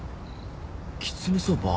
きつねそば。